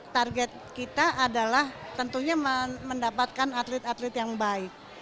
target kita adalah tentunya mendapatkan atlet atlet yang baik